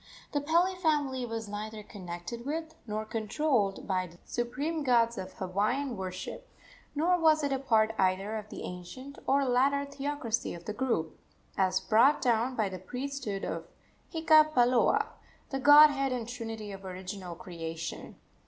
The Pele family was neither connected with, nor controlled by, the supreme gods of Hawaiian worship, nor was it a part either of the ancient or later theocracy of the group, as brought down by the priesthood of Hika paloa, the godhead and trinity of original creation.